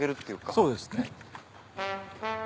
そうですね。